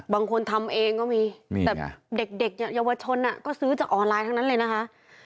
บางคนทำเองก็มีแต่เด็กเนี่ยเยาวชนก็ซื้อจากออนไลน์ทั้งนั้นเลยนะคะ